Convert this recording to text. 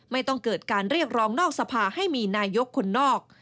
ไม่ต้องเกิดการเรียกร้องนอกสภาให้มีนายกคนนอก